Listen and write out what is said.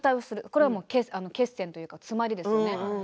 これは血栓というか詰まりですよね。